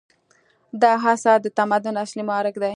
دا هڅه د تمدن اصلي محرک دی.